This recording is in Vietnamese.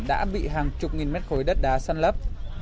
đã bị hàng chục nghìn mét khối đất đá săn lấp